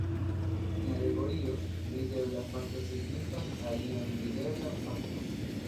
En alegorio, videbla fakto signifas alian videblan fakton.